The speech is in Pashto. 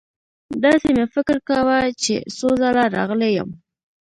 داسې مې فکر کاوه چې څو ځله راغلی یم.